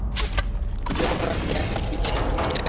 দ্বিতীয় বছরে তারা বিনয়ামীনকে নিয়ে আসে।